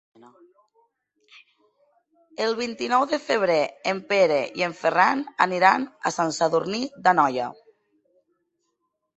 El vint-i-nou de febrer en Pere i en Ferran aniran a Sant Sadurní d'Anoia.